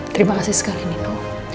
terima kasih sekali nino